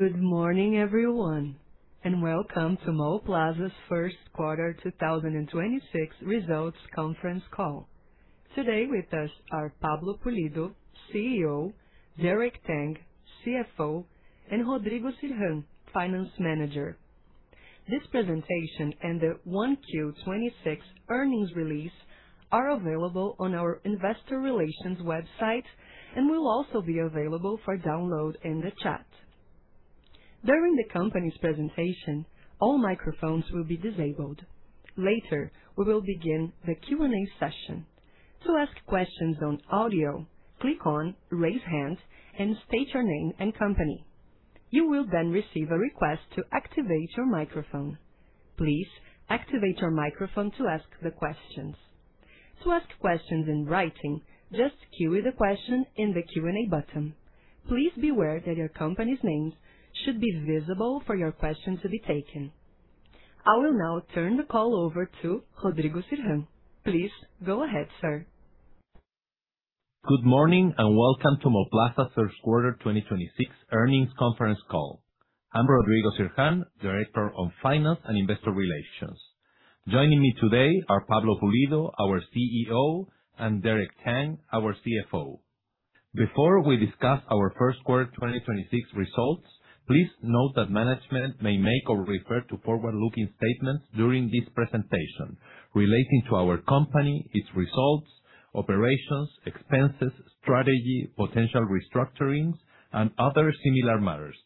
Good morning, everyone, welcome to Mallplaza's first quarter 2026 results conference call. Today with us are Pablo Pulido, CEO, Derek Tang, CFO, and Rodrigo Sirhan, Finance Manager. This presentation and the 1Q 2026 earnings release are available on our investor relations website and will also be available for download in the chat. During the company's presentation, all microphones will be disabled. Later, we will begin the Q&A session. To ask questions on audio, click on Raise Hands and state your name and company. You will receive a request to activate your microphone. Please activate your microphone to ask the questions. To ask questions in writing, just cue the question in the Q&A button. Please be aware that your company's name should be visible for your question to be taken. I will now turn the call over to Rodrigo Sirhan. Please go ahead, sir. Good morning, welcome to Mallplaza third quarter 2026 earnings conference call. I'm Rodrigo Sirhan, Director of Finance and Investor Relations. Joining me today are Pablo Pulido, our CEO, and Derek Tang, our CFO. Before we discuss our first quarter 2026 results, please note that management may make or refer to forward-looking statements during this presentation relating to our company, its results, operations, expenses, strategy, potential restructurings, and other similar matters.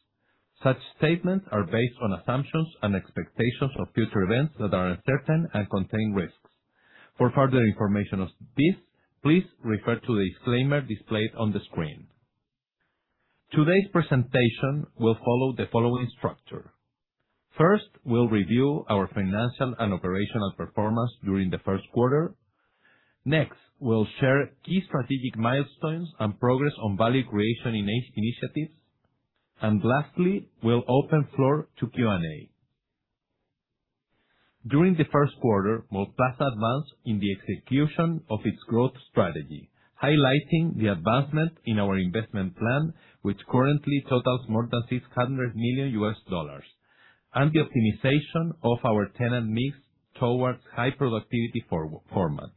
Such statements are based on assumptions and expectations of future events that are uncertain and contain risks. For further information of this, please refer to the disclaimer displayed on the screen. Today's presentation will follow the following structure. First, we'll review our financial and operational performance during the first quarter. Next, we'll share key strategic milestones and progress on value creation initiatives. Lastly, we'll open floor to Q&A. During the first quarter, Mallplaza advanced in the execution of its growth strategy, highlighting the advancement in our investment plan, which currently totals more than $600 million, and the optimization of our tenant mix towards high productivity for-formats.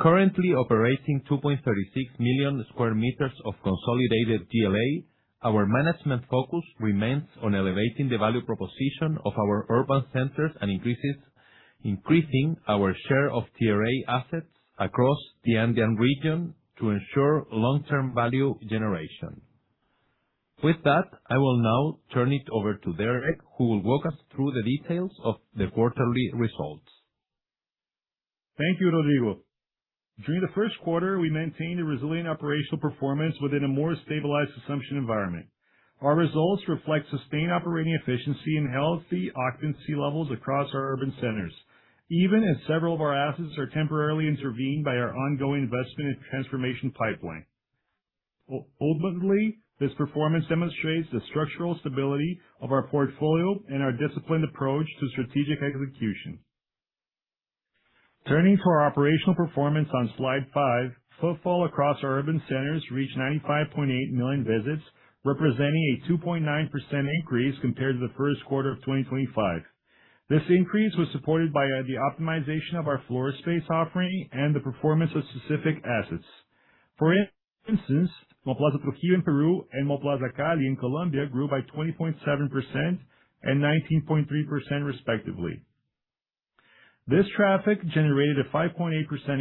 Currently operating 2,360,000 sq m of consolidated GLA, our management focus remains on elevating the value proposition of our urban centers and increasing our share of Tier A assets across the Andean region to ensure long-term value generation. With that, I will now turn it over to Derek, who will walk us through the details of the quarterly results. Thank you, Rodrigo. During the first quarter, we maintained a resilient operational performance within a more stabilized assumption environment. Our results reflect sustained operating efficiency and healthy occupancy levels across our urban centers, even as several of our assets are temporarily intervened by our ongoing investment and transformation pipeline. Ultimately, this performance demonstrates the structural stability of our portfolio and our disciplined approach to strategic execution. Turning to our operational performance on slide five, footfall across our urban centers reached 95.8 million visits, representing a 2.9% increase compared to the first quarter of 2025. This increase was supported by the optimization of our floor space offering and the performance of specific assets. For instance, Mallplaza Trujillo in Peru and Mallplaza Cali in Colombia grew by 20.7% and 19.3% respectively. This traffic generated a 5.8%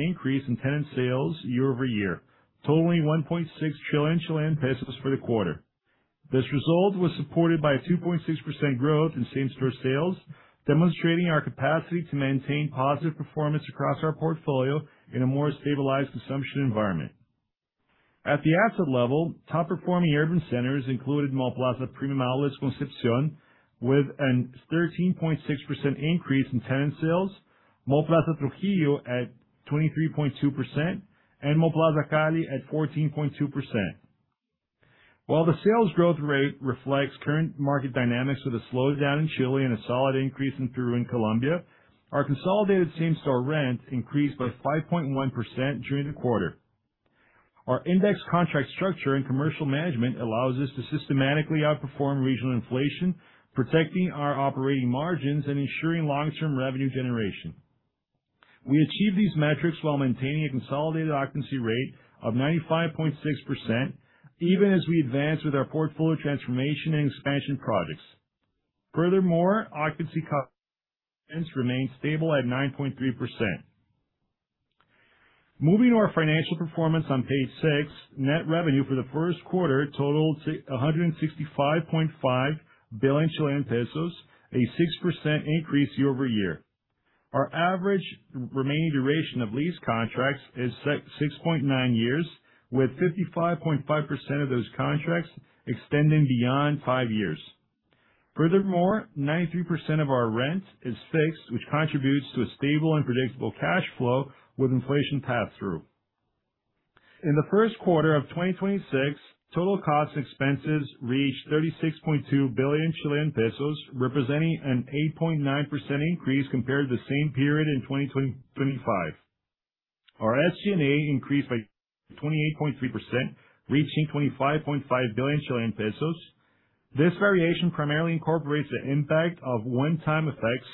increase in tenant sales year-over-year, totaling 1.6 trillion Chilean pesos for the quarter. This result was supported by a 2.6% growth in same-store sales, demonstrating our capacity to maintain positive performance across our portfolio in a more stabilized assumption environment. At the asset level, top-performing urban centers included Mallplaza Premium Outlet Concepción with a 13.6% increase in tenant sales, Mallplaza Trujillo at 23.2%, and Mallplaza Cali at 14.2%. While the sales growth rate reflects current market dynamics with a slowdown in Chile and a solid increase in Peru and Colombia, our consolidated same-store rent increased by 5.1% during the quarter. Our index contract structure and commercial management allows us to systematically outperform regional inflation, protecting our operating margins and ensuring long-term revenue generation. We achieve these metrics while maintaining a consolidated occupancy rate of 95.6%, even as we advance with our portfolio transformation and expansion projects. Furthermore, occupancy costs remain stable at 9.3%. Moving to our financial performance on page six, net revenue for the first quarter totaled 165.5 billion Chilean pesos, a 6% increase year-over-year. Our average remaining duration of lease contracts is 6.9 years, with 55.5% of those contracts extending beyond five years. Furthermore, 93% of our rent is fixed, which contributes to a stable and predictable cash flow with inflation pass-through. In the first quarter of 2026, total cost expenses reached 36.2 billion Chilean pesos, representing an 8.9% increase compared to the same period in 2025. Our SG&A increased by 28.3%, reaching 25.5 billion Chilean pesos. This variation primarily incorporates the impact of one-time effects,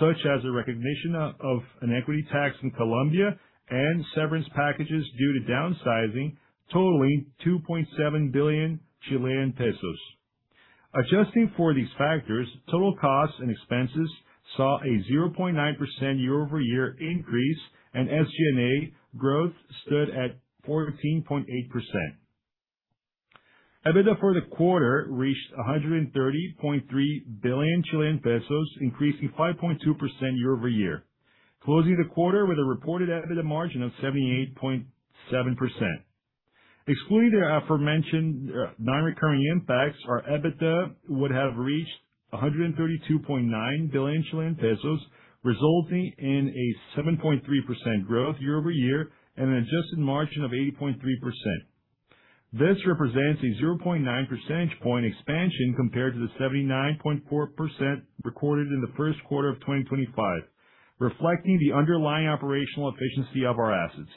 such as the recognition of an equity tax in Colombia and severance packages due to downsizing, totaling 2.7 billion Chilean pesos. Adjusting for these factors, total costs and expenses saw a 0.9% year-over-year increase, and SG&A growth stood at 14.8%. EBITDA for the quarter reached 130.3 billion Chilean pesos, increasing 5.2% year-over-year, closing the quarter with a reported EBITDA margin of 78.7%. Excluding the aforementioned non-recurring impacts, our EBITDA would have reached 132.9 billion Chilean pesos, resulting in a 7.3% growth year-over-year and an adjusted margin of 80.3%. This represents a 0.9 percentage point expansion compared to the 79.4% recorded in the first quarter of 2025, reflecting the underlying operational efficiency of our assets.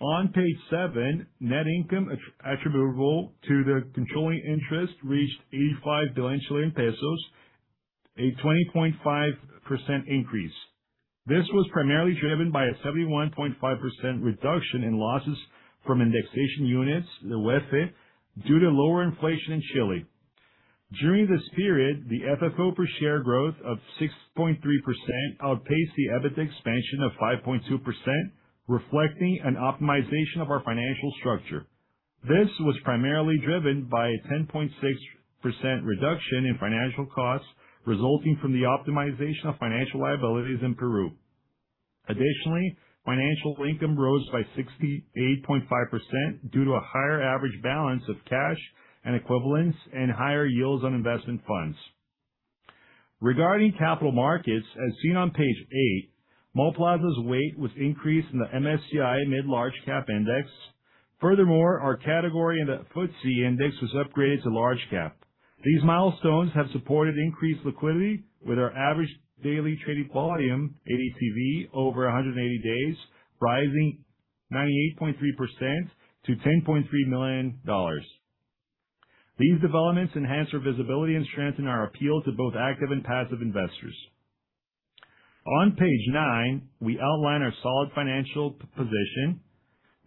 On page seven, net income attributable to the controlling interest reached 85 billion Chilean pesos, a 20.5% increase. This was primarily driven by a 71.5% reduction in losses from indexation units, the UF, due to lower inflation in Chile. During this period, the FFO per share growth of 6.3% outpaced the EBITDA expansion of 5.2%, reflecting an optimization of our financial structure. This was primarily driven by a 10.6% reduction in financial costs resulting from the optimization of financial liabilities in Peru. Additionally, financial income rose by 68.5% due to a higher average balance of cash and equivalents and higher yields on investment funds. Regarding capital markets, as seen on page eight, Mallplaza's weight was increased in the MSCI Mid & Large Cap Index. Our category in the FTSE Index was upgraded to large cap. These milestones have supported increased liquidity with our average daily trading volume, ADTV, over 180 days, rising 98.3% to $10.3 million. These developments enhance our visibility and strengthen our appeal to both active and passive investors. On page nine, we outline our solid financial position.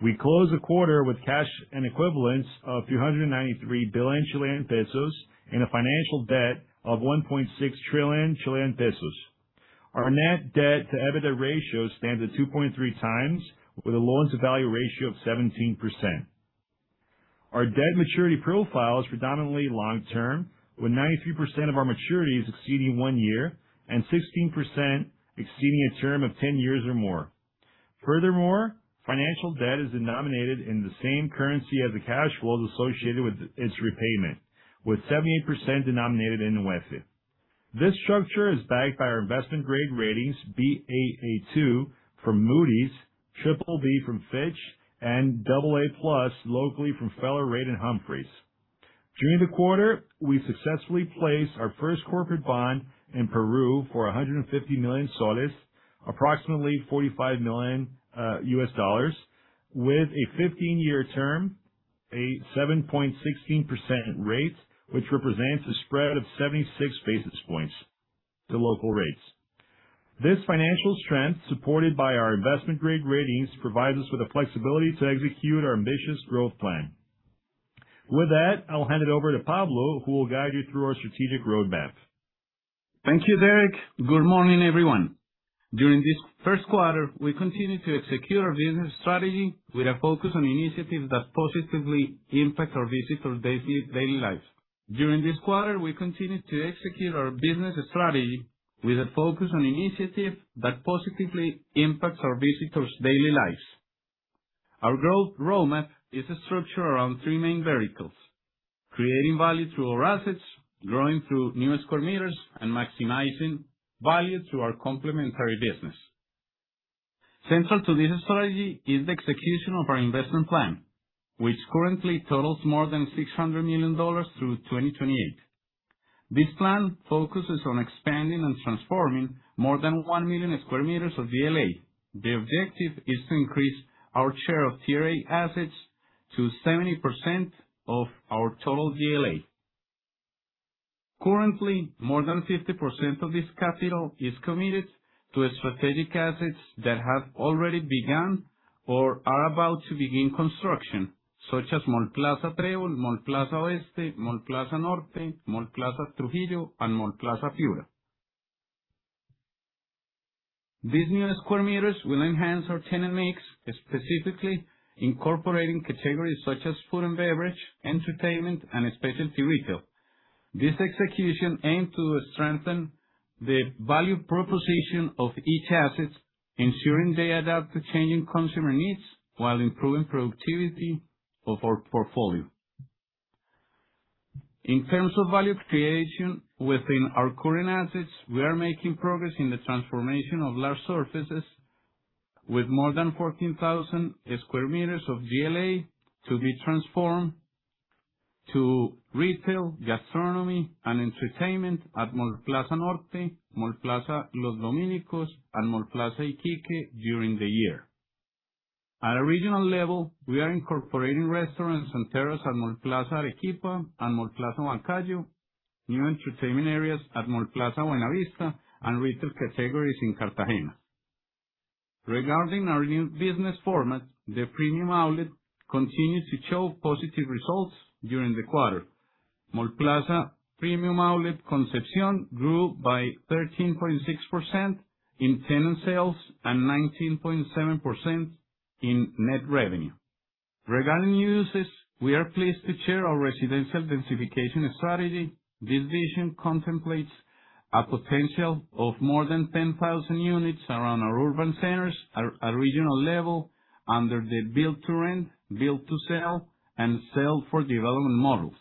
We close the quarter with cash and equivalents of 393 billion Chilean pesos and a financial debt of 1.6 trillion Chilean pesos. Our net debt to EBITDA ratio stands at 2.3x with the lowest value ratio of 17%. Our debt maturity profile is predominantly long term, with 93% of our maturities exceeding one year and 16% exceeding a term of 10 years or more. Furthermore, financial debt is denominated in the same currency as the cash flows associated with its repayment, with 78% denominated in UF. This structure is backed by our investment-grade ratings, Baa2 from Moody's, BBB from Fitch, and AA+ locally from Feller Rate and Humphreys. During the quarter, we successfully placed our first corporate bond in Peru for PEN 150 million, approximately $45 million with a 15-year term, a 7.16% rate, which represents a spread of 76 basis points to local rates. This financial strength, supported by our investment-grade ratings, provides us with the flexibility to execute our ambitious growth plan. With that, I'll hand it over to Pablo, who will guide you through our strategic roadmap. Thank you, Derek. Good morning, everyone. During this first quarter, we continued to execute our business strategy with a focus on initiatives that positively impact our visitors' daily lives. During this quarter, we continued to execute our business strategy with a focus on initiatives that positively impacts our visitors' daily lives. Our growth roadmap is structured around three main verticals: creating value through our assets, growing through new square meters, and maximizing value through our complementary business. Central to this strategy is the execution of our investment plan, which currently totals more than $600 million through 2028. This plan focuses on expanding and transforming more than 1,000,000 sq m of GLA. The objective is to increase our share of Tier A assets to 70% of our total GLA. Currently, more than 50% of this capital is committed to strategic assets that have already begun or are about to begin construction, such as Mallplaza Trébol, Mallplaza Oeste, Mallplaza Norte, Mallplaza Trujillo, and Mallplaza Piura. These new square meters will enhance our tenant mix, specifically incorporating categories such as food and beverage, entertainment, and specialty retail. This execution aim to strengthen the value proposition of each asset, ensuring they adapt to changing consumer needs while improving productivity of our portfolio. In terms of value creation within our current assets, we are making progress in the transformation of large surfaces with more than 14,000 sq m of GLA to be transformed to retail, gastronomy, and entertainment at Mallplaza Norte, Mallplaza Los Dominicos, and Mallplaza Iquique during the year. At a regional level, we are incorporating restaurants and terrace at Mallplaza Arequipa and Mallplaza Huancayo, new entertainment areas at Mallplaza Buenavista, and retail categories in Cartagena. Regarding our new business format, the Premium Outlet continues to show positive results during the quarter. Mallplaza Premium Outlet Concepción grew by 13.6% in tenant sales and 19.7% in net revenue. Regarding new uses, we are pleased to share our residential densification strategy. This vision contemplates a potential of more than 10,000 units around our urban centers at regional level under the build to rent, build to sell, and sell for development models.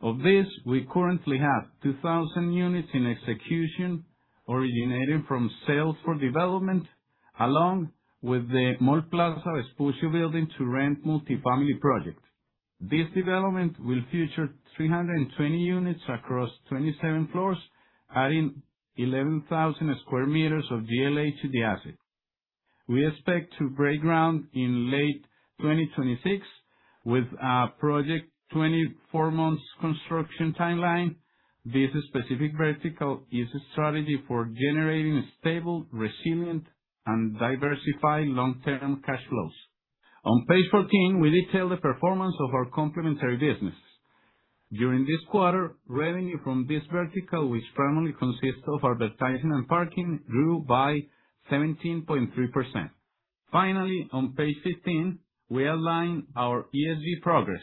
Of this, we currently have 2,000 units in execution originating from sales for development, along with the Mallplaza Expansión building to rent multifamily project. This development will feature 320 units across 27 floors, adding 11,000 sq m of GLA to the asset. We expect to break ground in late 2026, with a project 24 months construction timeline. This specific vertical is a strategy for generating stable, resilient, and diversified long-term cash flows. On page 14, we detail the performance of our complementary businesses. During this quarter, revenue from this vertical, which primarily consists of advertising and parking, grew by 17.3%. Finally, on page 15, we align our ESG progress.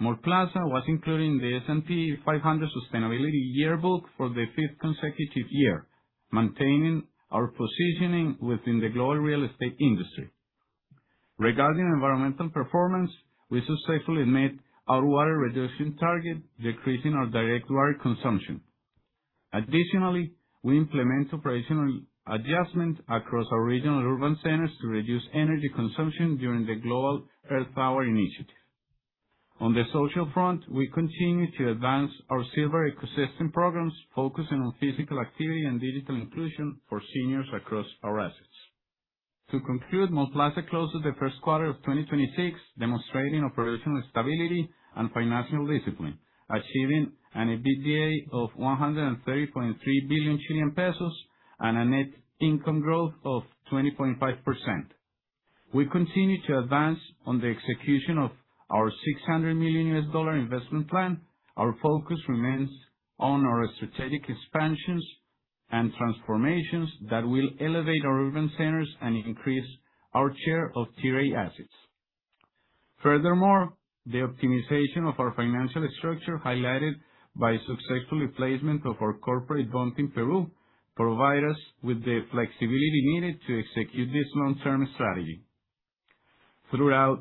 Mallplaza was included in the S&P Global Sustainability Yearbook for the fifth consecutive year, maintaining our positioning within the global real estate industry. Regarding environmental performance, we successfully met our water reduction target, decreasing our direct water consumption. Additionally, we implement operational adjustments across our regional urban centers to reduce energy consumption during the Earth Hour initiative. On the social front, we continue to advance our Silver Ecosystem programs, focusing on physical activity and digital inclusion for seniors across our assets. To conclude, Mallplaza closes the first quarter of 2026 demonstrating operational stability and financial discipline, achieving an EBITDA of 130.3 billion Chilean pesos and a net income growth of 20.5%. We continue to advance on the execution of our $600 million investment plan. Our focus remains on our strategic expansions and transformations that will elevate our urban centers and increase our share of Tier A assets. Furthermore, the optimization of our financial structure, highlighted by successful replacement of our corporate bond in Peru, provide us with the flexibility needed to execute this long-term strategy. Throughout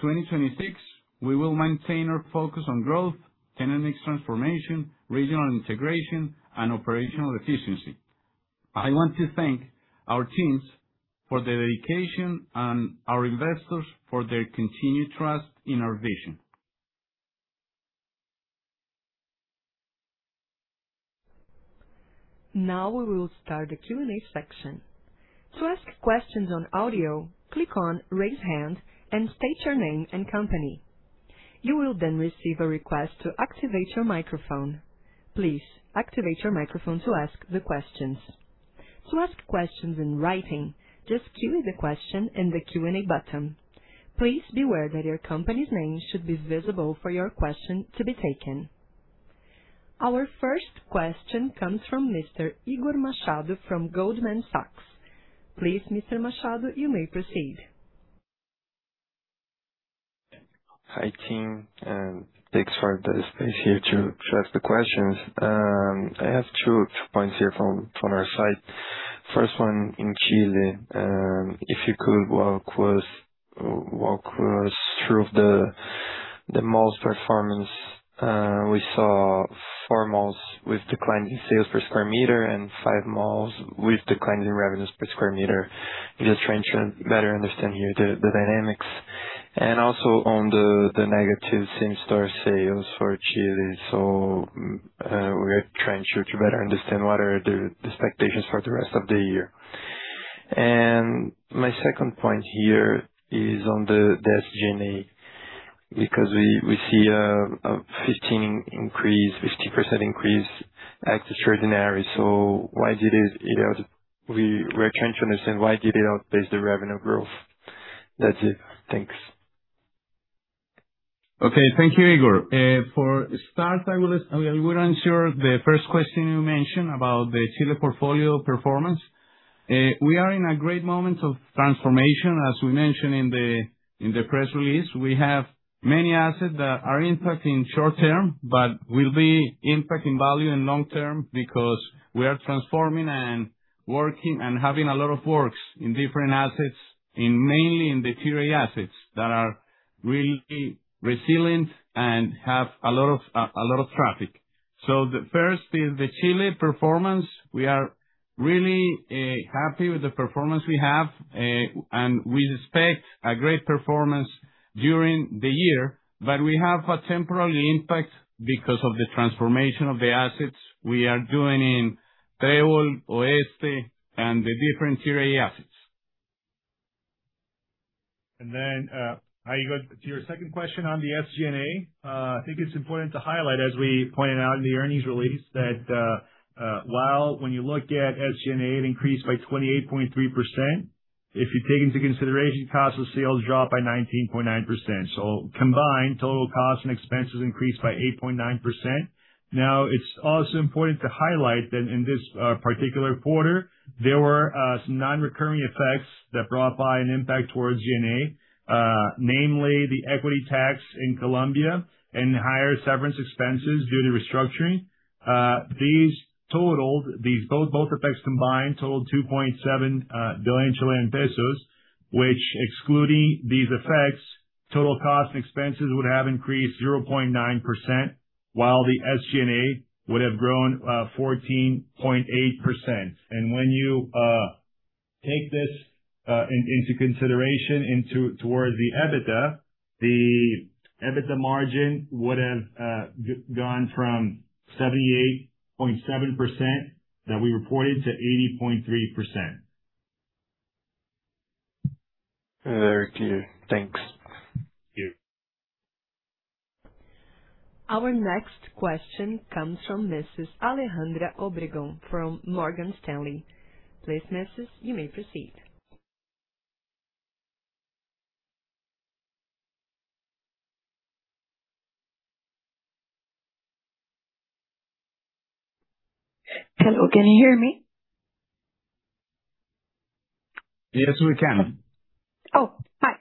2026, we will maintain our focus on growth, tenant mix transformation, regional integration, and operational efficiency. I want to thank our teams for their dedication and our investors for their continued trust in our vision. Now we will start the Q&A section. To ask questions on audio, click on Raise Hand and state your name and company. You will then receive a request to activate your microphone. Please activate your microphone to ask the questions. To ask questions in writing, just cue the question in the Q&A button. Please be aware that your company's name should be visible for your question to be taken. Our first question comes from Mr. Igor Machado from Goldman Sachs. Please, Mr. Machado, you may proceed. Hi, team, and thanks for the space here to ask the questions. I have two points here from our side. First one, in Chile, if you could walk us through the mall's performance. We saw four malls with declining sales per square meter and five malls with declining revenues per square meter. Just trying to better understand here the dynamics. Also on the negative same-store sales for Chile. We are trying to better understand what are the expectations for the rest of the year. My second point here is on the SG&A, because we see a 15% increase extraordinary. Why did it, you know, we were trying to understand why did it outpace the revenue growth? That's it. Thanks. Thank you, Igor. For start, I will answer the first question you mentioned about the Chile portfolio performance. We are in a great moment of transformation. As we mentioned in the press release, we have many assets that are impacting short term, but will be impacting value in long term because we are transforming and working and having a lot of works in different assets, mainly in the Tier A assets that are really resilient and have a lot of traffic. The first is the Chile performance. We are really happy with the performance we have. We expect a great performance during the year, but we have a temporary impact because of the transformation of the assets we are doing in Trébol,, Oeste, and the different CRA assets. I go to your second question on the SG&A. I think it's important to highlight, as we pointed out in the earnings release, that while when you look at SG&A, it increased by 28.3%. If you take into consideration cost of sales dropped by 19.9%. Combined, total cost and expenses increased by 8.9%. It's also important to highlight that in this particular quarter, there were some non-recurring effects that brought by an impact towards G&A, namely the equity tax in Colombia and higher severance expenses due to restructuring. Both effects combined totaled 2.7 billion Chilean pesos, which excluding these effects, total cost and expenses would have increased 0.9%, while the SG&A would have grown 14.8%. When you take this into consideration into towards the EBITDA, the EBITDA margin would have gone from 78.7% that we reported to 80.3%. Very clear. Thanks. Thank you. Our next question comes from Mrs. Alejandra Obregón from Morgan Stanley. Please, Mrs., you may proceed. Hello, can you hear me? Yes, we can. Oh, hi.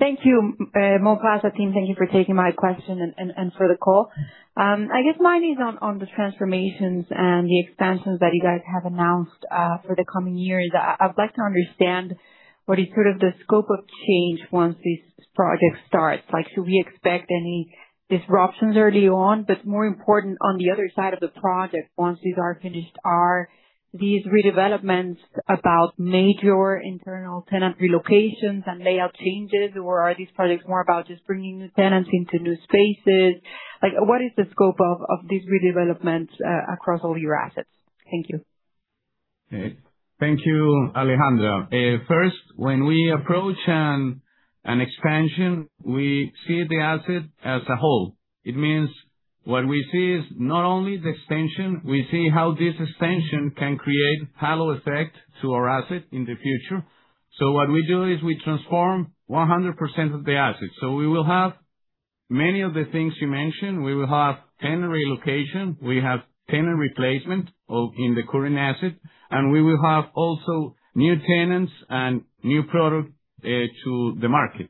Thank you, Mallplaza team, thank you for taking my question and for the call. I guess mine is on the transformations and the expansions that you guys have announced for the coming years. I'd like to understand what is sort of the scope of change once this project starts. Like, should we expect any disruptions early on? More important, on the other side of the project, once these are finished, are these redevelopments about major internal tenant relocations and layout changes, or are these projects more about just bringing new tenants into new spaces? Like, what is the scope of this redevelopment across all your assets? Thank you. Thank you, Alejandra. First, when we approach an expansion, we see the asset as a whole. It means what we see is not only the extension, we see how this extension can create halo effect to our asset in the future. What we do is we transform 100% of the asset. We will have many of the things you mentioned. We will have tenant relocation, we have tenant replacement in the current asset, and we will have also new tenants and new product to the market.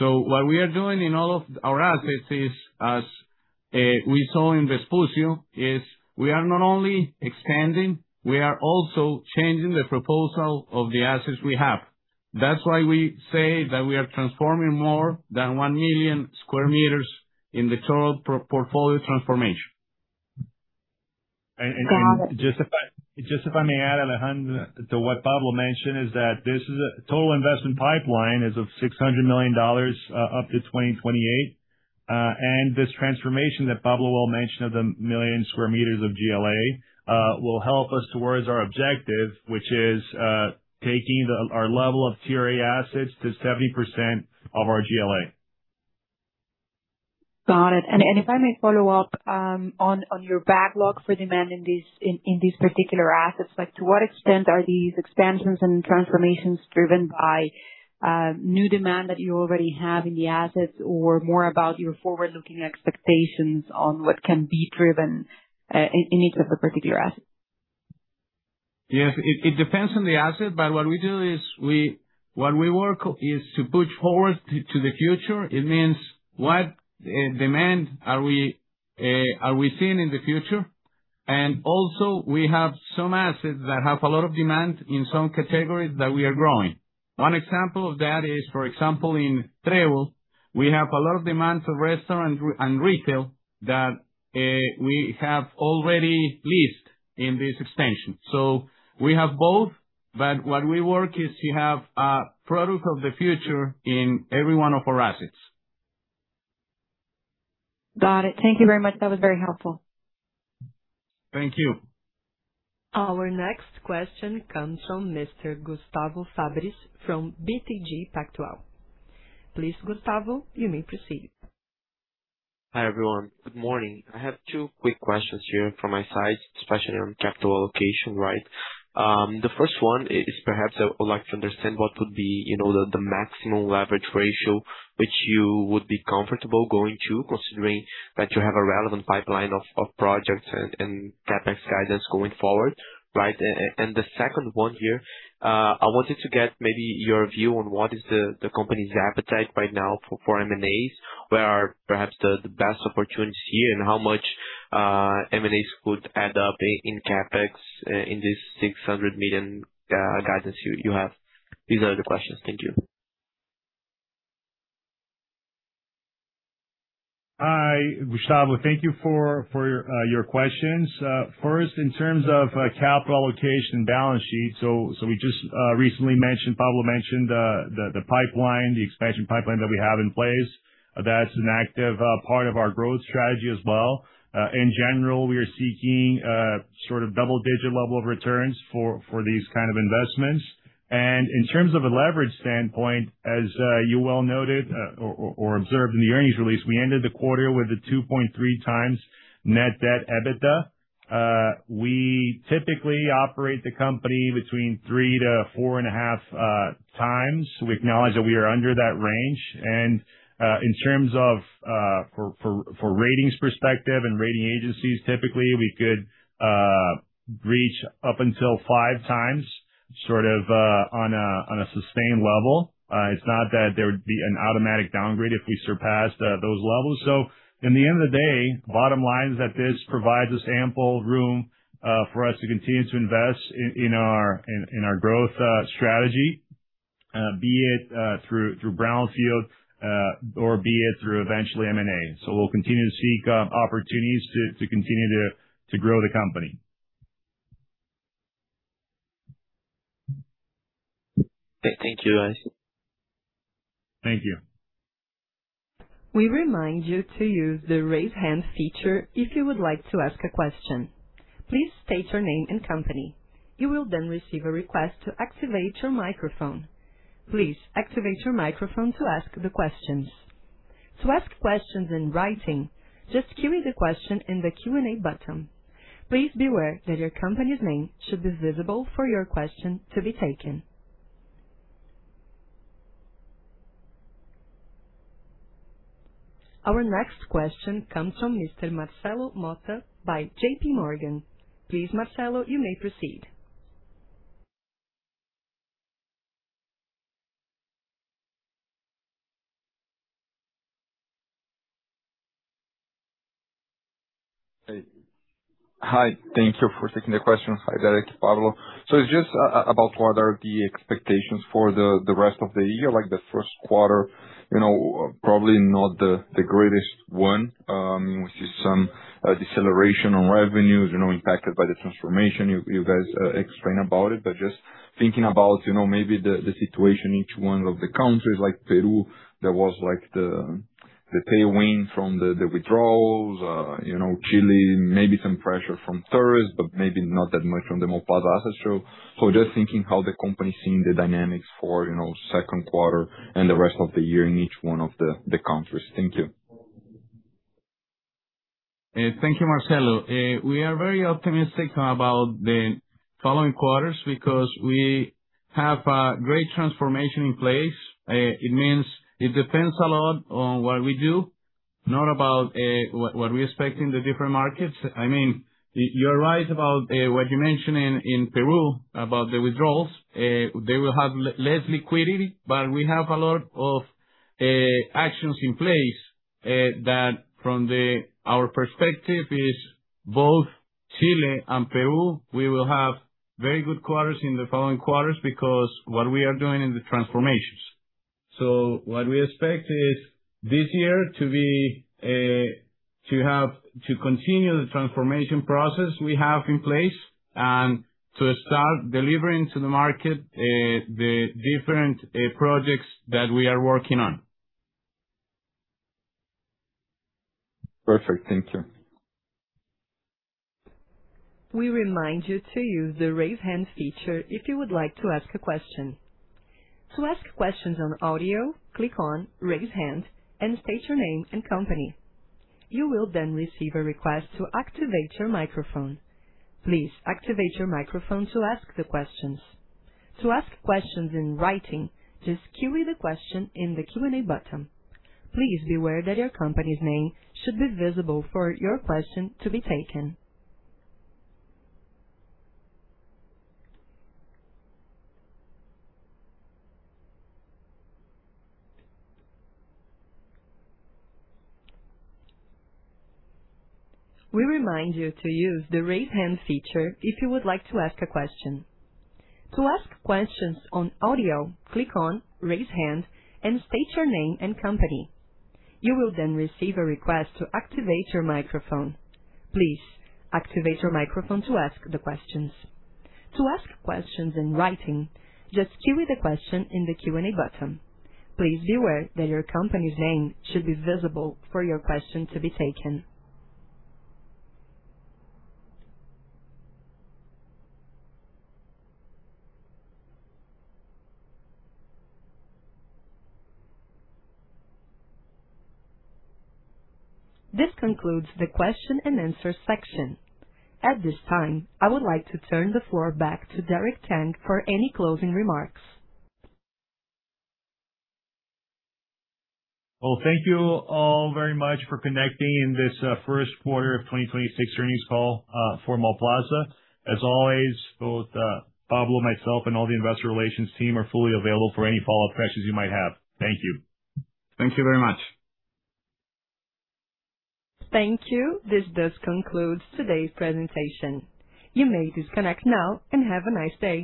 What we are doing in all of our assets is, as we saw in Vespucio, we are not only expanding, we are also changing the proposal of the assets we have. That's why we say that we are transforming more than 1,000,000 sq m in the total portfolio transformation. Just if I may add, Alejandra, to what Pablo mentioned, is that this is a total investment pipeline is of $600 million, up to 2028. This transformation that Pablo well mentioned of the 1,000,000 sq m of GLA will help us towards our objective, which is, taking the, our level of CRA assets to 70% of our GLA. Got it. If I may follow up, on your backlog for demand in these particular assets. Like, to what extent are these expansions and transformations driven by new demand that you already have in the assets or more about your forward-looking expectations on what can be driven in each of the particular assets? Yes. It depends on the asset, but what we do is we work to push forward to the future. It means what demand are we seeing in the future. Also we have some assets that have a lot of demand in some categories that we are growing. One example of that is, for example, in Mallplaza Trébol, we have a lot of demands of restaurant and retail that we have already leased in this extension. We have both, but what we work is to have a product of the future in every one of our assets. Got it. Thank you very much. That was very helpful. Thank you. Our next question comes from Mr. Gustavo Fabris from BTG Pactual. Please, Gustavo, you may proceed. Hi, everyone. Good morning. I have two quick questions here from my side, especially on capital allocation, right? The first one is perhaps I would like to understand what would be, you know, the maximum leverage ratio which you would be comfortable going to, considering that you have a relevant pipeline of projects and CapEx guidance going forward, right? The second one here, I wanted to get maybe your view on what is the company's appetite right now for M&As. Where are perhaps the best opportunities here, and how much M&As could add up in CapEx, in this $600 million guidance you have? These are the questions. Thank you. Hi, Gustavo. Thank you for your questions. First, in terms of capital allocation balance sheet. We just recently mentioned, Pablo mentioned the pipeline, the expansion pipeline that we have in place. That's an active part of our growth strategy as well. In general, we are seeking sort of double-digit level of returns for these kind of investments. In terms of a leverage standpoint, as you well noted, or observed in the earnings release, we ended the quarter with a 2.3x net debt EBITDA. We typically operate the company between 3x-4.5x. We acknowledge that we are under that range. In terms of for ratings perspective and rating agencies, typically we could reach up until 5x, sort of, on a sustained level. It's not that there would be an automatic downgrade if we surpassed those levels. In the end of the day, bottom line is that this provides us ample room for us to continue to invest in our growth strategy, be it through brownfield or be it through eventually M&A. We'll continue to seek opportunities to continue to grow the company. Thank you, guys. Thank you. We remind you to use the Raise Hand feature if you would like to ask a question. Please state your name and company. You will then receive a request to activate your microphone. Please activate your microphone to ask the questions. To ask questions in writing, just cue the question in the Q&A button. Please be aware that your company's name should be visible for your question to be taken. Our next question comes from Mr. Marcelo Motta by JPMorgan. Please, Marcelo, you may proceed. Hi. Thank you for taking the question. Hi, Derek, Pablo. Just about what are the expectations for the rest of the year, like the first quarter, you know, probably not the greatest one. We see some deceleration on revenues, you know, impacted by the transformation. You guys explain about it. Just thinking about, you know, maybe the situation, each one of the countries like Peru, there was like the tailwind from the withdrawals, you know, Chile, maybe some pressure from tourists, but maybe not that much from the Mallplaza store. Just thinking how the company is seeing the dynamics for, you know, second quarter and the rest of the year in each one of the countries. Thank you. Thank you, Marcelo. We are very optimistic about the following quarters because we have a great transformation in place. It means it depends a lot on what we do, not about what we expect in the different markets. I mean, you're right about what you mentioned in Peru about the withdrawals. They will have less liquidity, but we have a lot of actions in place that from our perspective is both Chile and Peru, we will have very good quarters in the following quarters because what we are doing in the transformations. What we expect is this year to be to have to continue the transformation process we have in place and to start delivering to the market the different projects that we are working on. Perfect. Thank you. We remind you to use the Raise Hand feature if you would like to ask a question. To ask questions on audio, click on Raise Hand and state your name and company. You will then receive a request to activate your microphone. Please activate your microphone to ask the questions. To ask questions in writing, just cue the question in the Q&A button. Please be aware that your company's name should be visible for your question to be taken. We remind you to use the Raise Hand feature if you would like to ask a question. To ask questions on audio, click on Raise Hand and state your name and company. You will then receive a request to activate your microphone. Please activate your microphone to ask the questions. To ask questions in writing, just cue the question in the Q&A button. Please be aware that your company's name should be visible for your question to be taken. This concludes the question and answer section. At this time, I would like to turn the floor back to Derek Tang for any closing remarks. Well, thank you all very much for connecting in this first quarter of 2026 earnings call for Mallplaza. As always, both Pablo, myself, and all the investor relations team are fully available for any follow-up questions you might have. Thank you. Thank you very much. Thank you. This does conclude today's presentation. You may disconnect now and have a nice day.